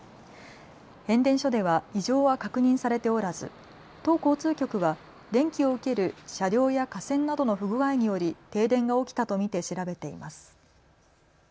変電所では異常は確認されておらず都交通局は電気を受ける車両や架線などの不具合により停電が起きたと見て調べています。